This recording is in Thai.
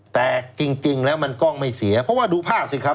แต่จริงแล้วมันกล้องไม่เสียเพราะว่าดูภาพสิครับ